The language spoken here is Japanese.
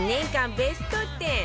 ベスト１０